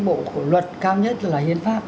bộ luật cao nhất là hiến pháp